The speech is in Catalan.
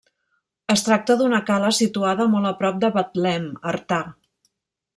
Es tracta d'una cala situada molt a prop de Betlem, Artà.